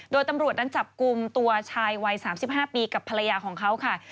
โดยตำรวจนั้นจับกลุ่มตัวชายวัย๓๕ปีกับภรรยาของเขาค่ะ